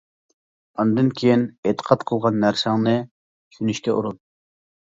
ئاندىن كېيىن ئېتىقاد قىلغان نەرسەڭنى چۈشىنىشكە ئۇرۇن.